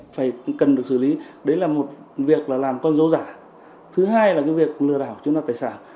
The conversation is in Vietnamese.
phải cần được xử lý đấy là một việc là làm con dấu giả thứ hai là cái việc lừa đảo chiếm đoạt tài sản